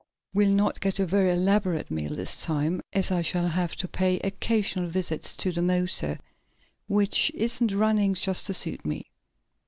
We'll not get a very elaborate meal this time, as I shall have to pay occasional visits to the motor, which isn't running just to suit me."